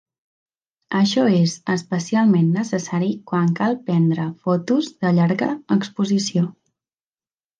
Això és especialment necessari quan cal prendre fotos de llarga exposició.